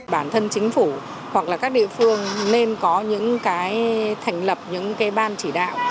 bản thân chính phủ hoặc là các địa phương nên có những cái thành lập những cái ban chỉ đạo